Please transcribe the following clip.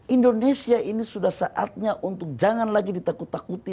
indonesia ini sudah saatnya untuk jangan lagi ditakut takuti